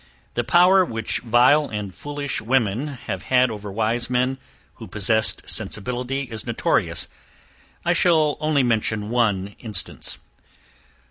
The power which vile and foolish women have had over wise men, who possessed sensibility, is notorious; I shall only mention one instance.